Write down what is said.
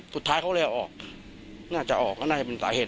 สุดท้ายเขาเลยเอาออกน่าจะออกก็น่าจะเป็นสาเหตุ